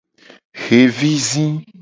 Xevi zi.